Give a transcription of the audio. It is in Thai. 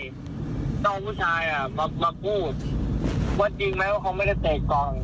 ต้องเอาผู้ชายมาพูดว่าจริงไหมว่าเขาไม่ได้เตะก่อน